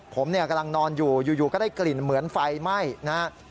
ผมเนี่ยกำลังนอนอยู่อยู่ก็ได้กลิ่นเหมือนไฟไหม้นะครับ